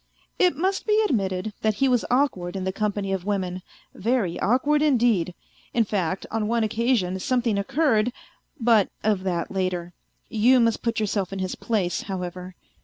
It must be admitted that he was awkward in the company of women, very awkward indeed, in fact on one occasion something occurred ... but of that later. You must put yourself in his place, however.